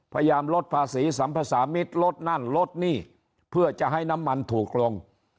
พยายามลดภาษีสัมภาษามิตรลดนั่นลดหนี้เพื่อจะให้น้ำมันถูกลง